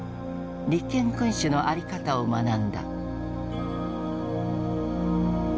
立憲君主のあり方を学んだ。